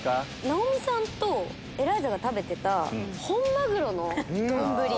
直美さんとエライザが食べてた本マグロの丼。